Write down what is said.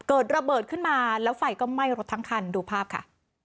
เกิดระเบิดขึ้นมาแล้วไฟก็ไหม้รถทั้งคันดูภาพค่ะ